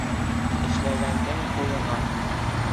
Эшләгәндең ҡулынан